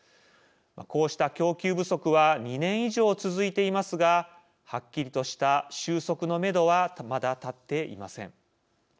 こうした供給不足は２年以上続いていますがはっきりとした収束の目どはまだ立っていません。